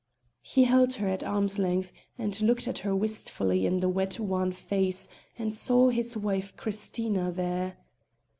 He held her at arm's length and looked at her wistfully in the wet wan face and saw his wife Christina there.